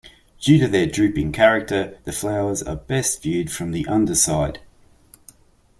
Due to their drooping character, the flowers are best viewed from the underside.